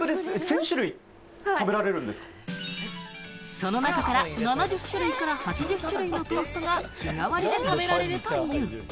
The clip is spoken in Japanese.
その中から７０種類から８０種類のトーストが日替わりで食べられるという。